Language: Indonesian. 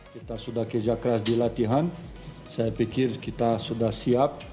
kita sudah kerja keras di latihan saya pikir kita sudah siap